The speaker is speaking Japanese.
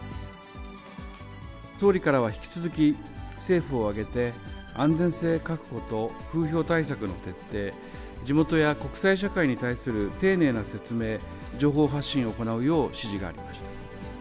総理からは引き続き、政府を挙げて安全性確保と風評対策の徹底、地元や国際社会に対する丁寧な説明、情報発信を行うよう指示がありました。